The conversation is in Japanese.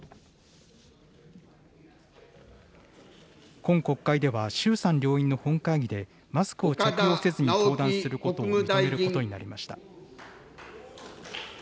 今国会では、衆参両院の本会議で、マスクを着用せずに登壇することを認めることになりました。